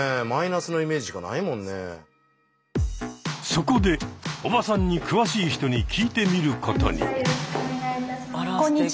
そこでおばさんに詳しい人に聞いてみることに。